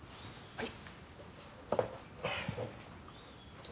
はい。